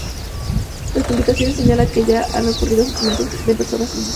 La publicación señala que ya han ocurrido asesinatos de personas inocentes.